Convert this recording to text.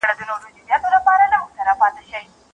او تګ به یې کرار سو